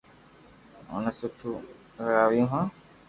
اونو سٺو ٺراوُ ھون